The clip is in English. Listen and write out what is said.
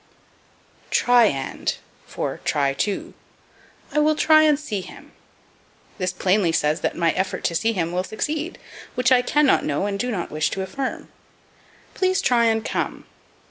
Try and for Try to. "I will try and see him." This plainly says that my effort to see him will succeed which I cannot know and do not wish to affirm. "Please try and come."